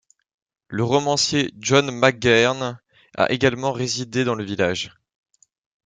Le romancier John McGahern a également résidé dans le village.